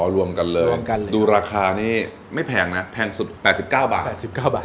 รวมกันเลยรวมกันเลยดูราคานี้ไม่แพงนะแพงสุด๘๙บาท๘๙บาท